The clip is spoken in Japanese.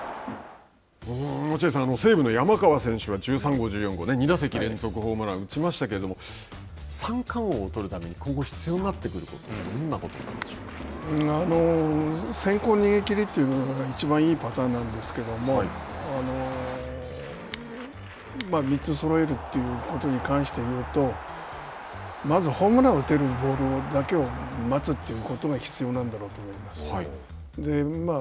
落合さん、西武の山川選手は１３号、１４号２打席連続ホームランを打ちましたけれども三冠王を取るために今後必要になってくる先行逃げ切りというのがいちばんいいパターンなんですけれども３つそろえるということに関して言うとまずホームランを打てるボールだけを待つということが必要なんだろうと思います。